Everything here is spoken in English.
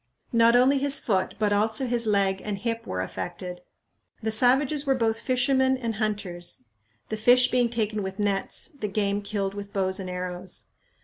Not only his foot, but also his leg and hip were affected. The savages were both fishermen and hunters; the fish being taken with nets, the game killed with bows and arrows.